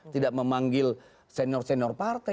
tidak memanggil senior senior partai